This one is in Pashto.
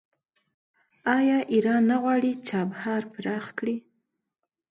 آیا ایران نه غواړي چابهار پراخ کړي؟